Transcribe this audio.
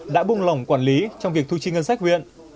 đã bung lỏng quản lý trong việc thu chi ngân sách huyện